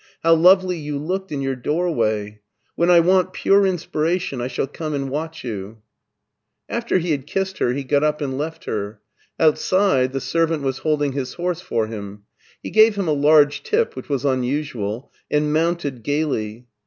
How lovely you looked in your doorway. When I want pure inspiration I shall come and watch you." BERLIN 219 After he had kissed her he got up and left hen Outside the servant was holding his horse for him. He gave him a large tip, which was unusual, and moimted gayly.